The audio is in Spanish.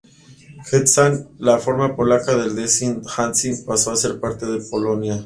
Gdansk, la forma polaca de designar Danzig, pasó a ser parte de Polonia.